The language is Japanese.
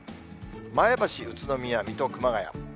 前橋、宇都宮、水戸、熊谷。